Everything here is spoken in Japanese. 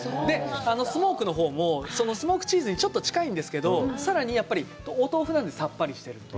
スモークのほうもスモークチーズにちょっと近いんですけど、さらにやっぱりお豆腐なのでさっぱりしていると。